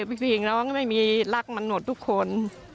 พี่สี่หญิงน้องไม่มีรักมันหมดทุกคน